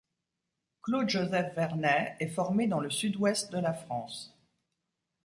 Claude Joseph Vernet est formé dans le Sud Ouest de la France.